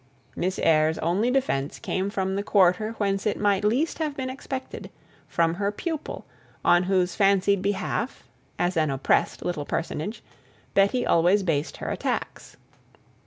Miss Eyre's only defence came from the quarter whence it might least have been expected from her pupil; on whose fancied behalf, as an oppressed little personage, Betty always based her attacks.